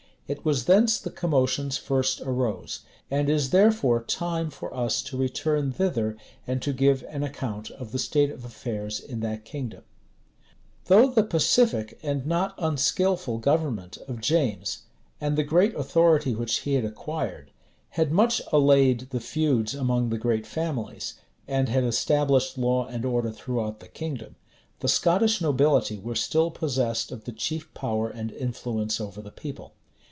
It was thence the commotions first arose; and is therefore time for us to return thither, and to give an account of the state of affairs in that kingdom. * Clarendon, p. 74, 75. May, p. 18. Warwick, p. 62. Though the pacific, and not unskilful government of James, and the great authority which he had acquired, had much allayed the feuds among the great families, and had established law and order throughout the kingdom, the Scottish nobility were still possessed of the chief power and influence over the people.